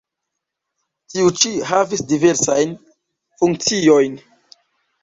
Tiu ĉi havis diversajn funkciojn.